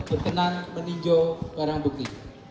berkenan meninjau barang bukti